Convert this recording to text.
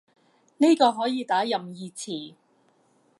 呢個可以打任意詞